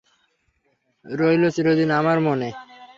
রইল চিরদিন আমার মনে।